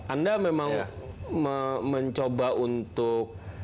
anda memang mencoba untuk